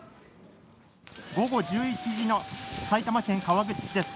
午後１１時の埼玉県川口市です。